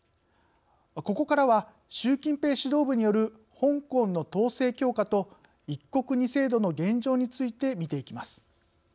ここからは習近平指導部による香港の統制強化と「一国二制度」の現状について見ていきます。